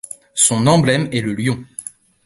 Son emblème est le lion.